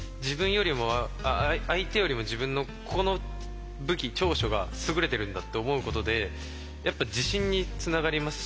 相手よりも自分のこの武器長所が優れてるんだって思うことでやっぱ自信につながりますし。